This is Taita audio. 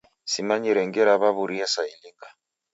Simanyire ngera w'aw'urie saa ilinga.